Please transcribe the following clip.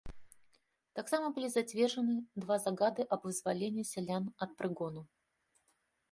Таксама былі зацверджаны два загады аб вызваленні сялян ад прыгону.